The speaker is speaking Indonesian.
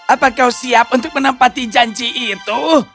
apa kau siap untuk menempati janji itu